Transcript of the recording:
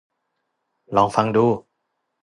ลองฟังดู